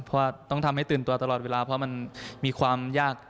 เพราะว่าต้องทำให้ตื่นตัวตลอดเวลาเพราะมันมีความยาก